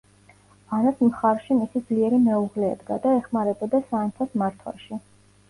ანას მხარში მისი ძლიერი მეუღლე ედგა და ეხმარებოდა სამეფოს მართვაში.